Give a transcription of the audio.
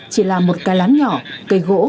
chỉ là một cái lán nhỏ cây gỗ